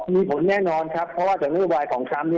มีผลแน่นอนเพราะว่าจะมือบ่ายของทรัมป์